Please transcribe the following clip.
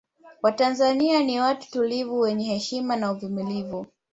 Watanzania ni watu tulivu wenye heshima na uvumulivu